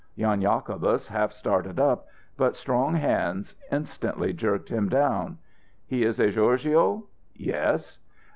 Jan Jacobus half started up, but strong hands instantly jerked him down. "He is a gorgio?" "Yes."